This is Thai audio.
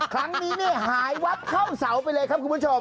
ครั้งนี้เนี่ยหายวับเข้าเสาไปเลยครับคุณผู้ชม